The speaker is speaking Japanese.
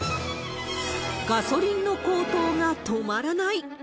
ガソリンの高騰が止まらない。